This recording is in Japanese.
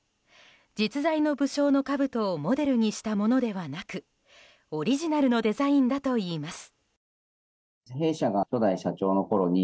実在の武将のかぶとをモデルにしたものではなくオリジナルのデザインだといいます。